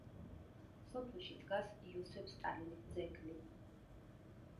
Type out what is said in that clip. სოფელში დგას იოსებ სტალინის ძეგლი.